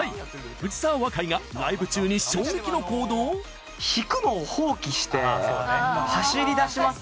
藤澤若井がライブ中に衝撃の行動？弾くのを放棄して走りだします。